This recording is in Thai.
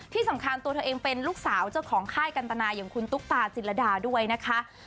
ที่สำคัญตัวเธอเองเป็นลูกสาวเจ้าของค่ายกันตนาอย่างคุณตุ๊กตาจิลดาด้วยนะคะ